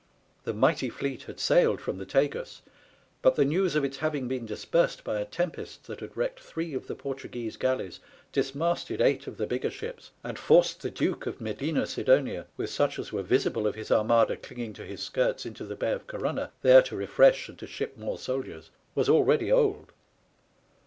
The mighty SPANISH ARMADA. 293 fleet had sailed from the Tagus ; but the news of its having been dispersed by a tempest that had wrecked three of the Portuguese galleys, dismasted eight of the bigger ships, and forced the Duke of Medina Sidonia, with such as were visible of his Armada clinging to his skirts, into the Bay of Corunna, there to refresh and to ship more soldiers, was already old.